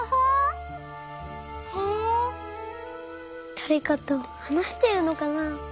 だれかとはなしてるのかな？